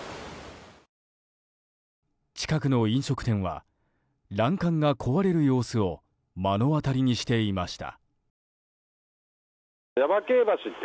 近くの飲食店は欄干が壊れる様子を目の当たりにしていました。